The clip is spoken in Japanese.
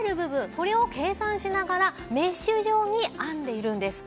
これを計算しながらメッシュ状に編んでいるんです。